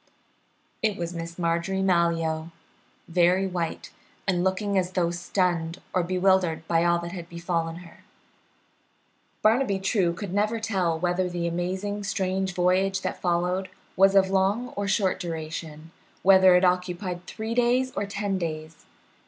It was Miss Marjorie Malyoe, very white, and looking as though stunned or bewildered by all that had befallen her. Barnaby True could never tell whether the amazing strange voyage that followed was of long or of short duration; whether it occupied three days or ten days.